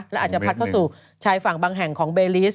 และอาจจะพัดเข้าสู่ชายฝั่งบางแห่งของเบลิส